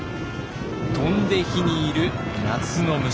飛んで火に入る夏の虫。